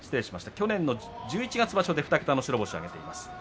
去年の十一月場所で２桁の白星を挙げています。